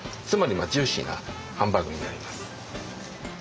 つまりジューシーなハンバーグになります。